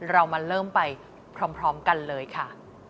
เรามาเริ่มไปพร้อมกันเลยค่ะ